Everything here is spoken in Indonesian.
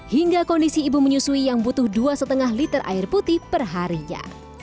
hingga kondisi ibu menyusui yang butuh dua lima liter air putih perharinya